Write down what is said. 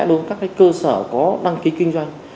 đối với các cơ sở có đăng ký kinh doanh